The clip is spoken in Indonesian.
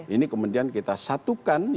ini kemudian kita satukan